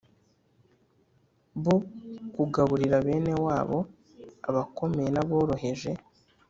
Bo kugaburira bene wabo abakomeye n aboroheje